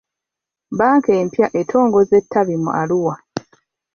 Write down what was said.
Bbanka empya etongozza ettabi mu Arua .